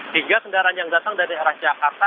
tiga kendaraan yang datang dari arah jakarta